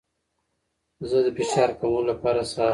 زه د فشار کمولو لپاره ساه اخلم.